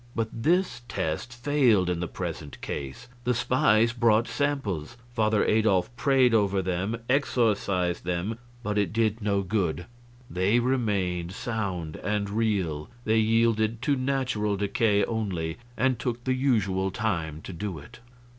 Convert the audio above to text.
But this test failed in the present case. The spies brought samples: Father Adolf prayed over them, exorcised them, but it did no good; they remained sound and real, they yielded to natural decay only, and took the usual time to do it.